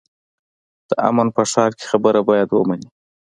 د امن په ښار کې خبره باید ومنې.